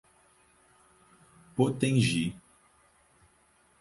Potengi